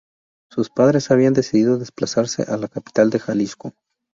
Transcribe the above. Sus padres habían decidido desplazarse a la capital de Jalisco.